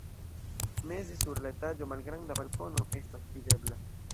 Meze sur la etaĝo malgranda balkono estas videbla.